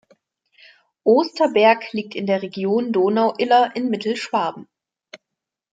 Osterberg liegt in der Region Donau-Iller in Mittelschwaben.